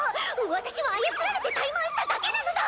私は操られてタイマンしただけなのだ！